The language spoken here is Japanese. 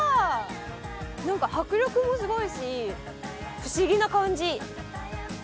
なんか、迫力もすごいし、不思議な感じ。